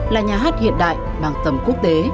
là nhà hát hiện đại bằng tổng